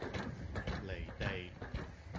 離地